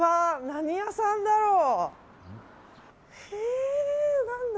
何屋さんだろう？